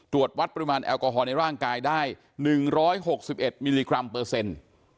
ตรวจวัดปริมาณแอลกอฮอลในร่างกายได้๑๖๑มิลลิกรัมเปอร์เซ็นต์